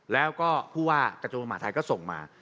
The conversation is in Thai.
แล้วก็ผู้ว่ากระทรวงมหาทัยก็ส่งมา